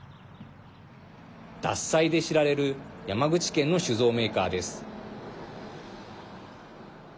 獺祭で知られる山口県の酒造メーカーです。